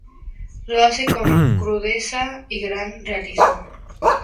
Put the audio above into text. Lo hace con crudeza y gran realismo.